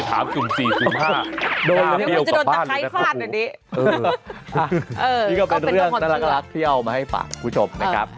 ที่ก็เป็นเรื่องนะละครับที่เอามาให้ปากผู้ชมนะครับ